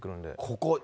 ここ。